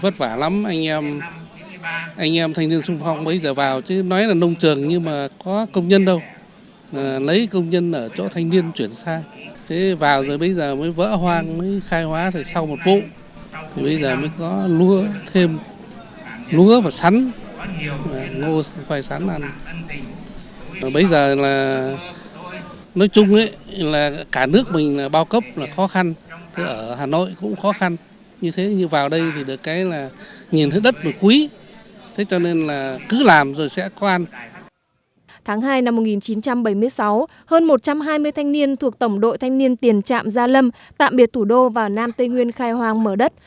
tháng hai năm một nghìn chín trăm bảy mươi sáu hơn một trăm hai mươi thanh niên thuộc tổng đội thanh niên tiền trạm gia lâm tạm biệt thủ đô vào nam tây nguyên khai hoang mở đất